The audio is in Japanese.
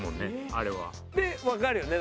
あれは。でわかるよね？